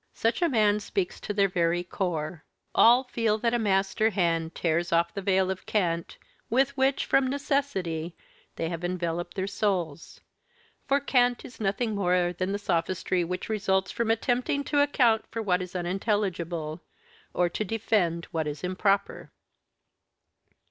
Such a man speaks to their very core. All feel that a master hand tears off the veil of cant, with which, from necessity, they have enveloped their souls; for cant is nothing more than the sophistry which results from attempting to account for what is unintelligible, or to defend what is improper.